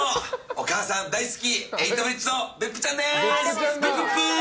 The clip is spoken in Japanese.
お母さん大好きエイトブリッジの別府ちゃんです。